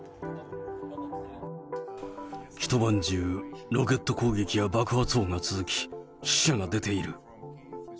一晩中、ロケット攻撃や爆発音が続き、死者が出ている。